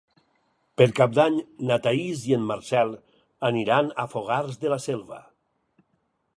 Per Cap d'Any na Thaís i en Marcel aniran a Fogars de la Selva.